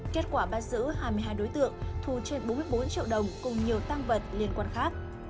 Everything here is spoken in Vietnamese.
kết quả bắt giữ hai mươi hai đối tượng thu trên bốn mươi bốn triệu đồng cùng nhiều tăng vật liên quan khác